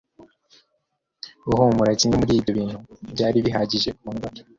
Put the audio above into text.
Guhumura kimwe muri ibyo bintu byari bihagije kundwara